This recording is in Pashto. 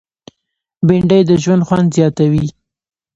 بېنډۍ د ژوند خوند زیاتوي